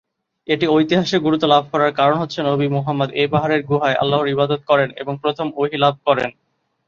এটি ঐতিহাসিক গুরুত্ব লাভ করার কারণ হচ্ছে, নবী মুহাম্মদ এ পাহাড়ের গুহায় আল্লাহর ইবাদত করেন এবং প্রথম ওহী লাভ করেন।